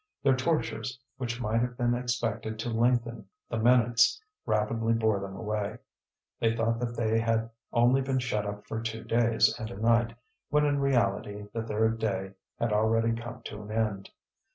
Their tortures, which might have been expected to lengthen the minutes, rapidly bore them away. They thought that they had only been shut up for two days and a night, when in reality the third day had already come to an end.